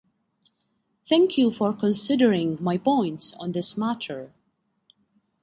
Thank you for considering my points on this matter.